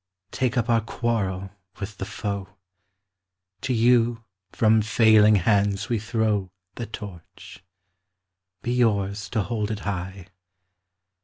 Take up our quarrel with the foe: To you from failing hands we throw The Torch: be yours to hold it high!